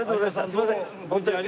すいません。